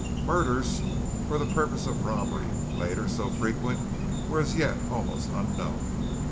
Murders for the purpose of robbery, later so frequent, were as yet almost unknown.